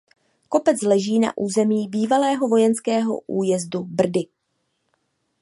Kopec leží na území bývalého vojenského újezdu Brdy.